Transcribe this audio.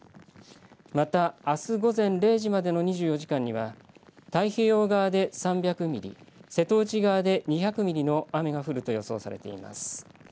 また、あす午前０時までの２４時間には太平洋側で３００ミリ瀬戸内側で２００ミリの雨が降ると予想されています。